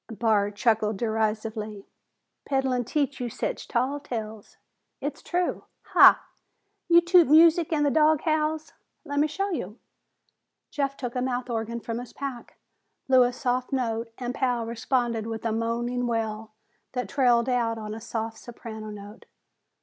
Barr chuckled derisively. "Peddlin' teach you sech tall tales?" "It's true." "Ha! You toot music an' the dog howls?" "Let me show you." Jeff took a mouth organ from his pack, blew a soft note and Pal responded with a moaning wail that trailed out on a soft soprano note.